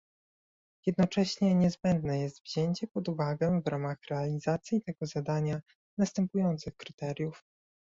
Jednocześnie niezbędne jest wzięcie pod uwagę w ramach realizacji tego zadania następujących kryteriów